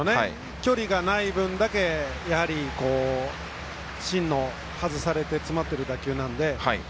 距離がない分だけ、やはり芯を外されて詰まっている打球です。